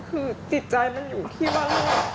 คือจิตใจมันอยู่ที่ว่า